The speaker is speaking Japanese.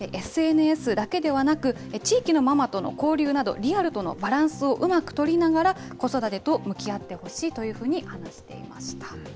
ＳＮＳだけではなく、地域のママとの交流など、リアルとのバランスをうまく取りながら、子育てと向き合ってほしいというふうに話していました。